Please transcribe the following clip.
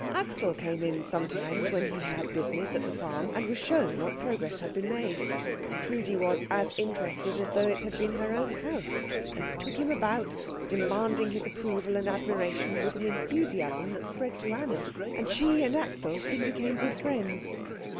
Axel came in sometimes when he had business at the farm, and was shown what progress had been made. Trudi was as interested as though it had been her own house, and took him about, demanding his approval and admiration with an enthusiasm that spread to Anna, and she and Axel soon became good friends.